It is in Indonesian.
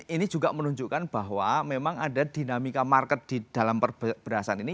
ini juga menunjukkan bahwa memang ada dinamika market di dalam berasan ini